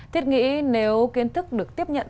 thiết nghĩ nếu kiến thức được tiếp nhận